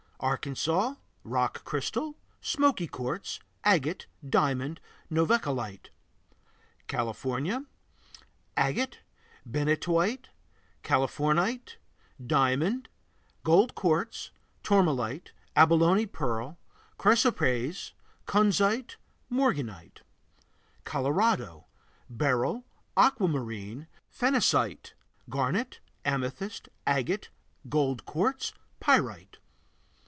Arkansas Rock crystal, smoky quartz, agate, diamond, novaculite. California Agate, benitoite, californite, diamond, gold quartz, tourmaline, abalone pearl, chrysoprase, kunzite, morganite. Colorado Beryl, aquamarine, phenacite, garnet, amethyst, agate, gold quartz, pyrite.